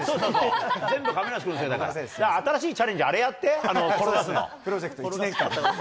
新しいチャレンジ、あれやって、プロジェクト１年間。